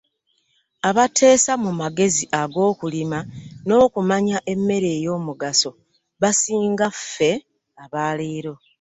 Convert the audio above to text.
Abateesa mu magezi ag'okulima n'okumanya emmere ey'omugaso basinga ffe aba leero.